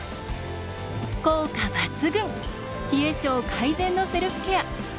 効果抜群冷え症改善のセルフケア